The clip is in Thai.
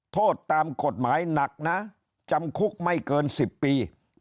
โทษตามกฎหมายหนักนะจำคุกไม่เกิน๑๐ปี